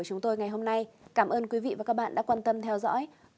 cảm ơn quý vị và các bạn đã quan tâm theo dõi